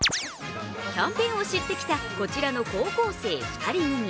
キャンペーンを知って来たこちらの高校生２人組。